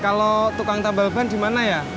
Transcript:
kalau tukang tambal ban gimana ya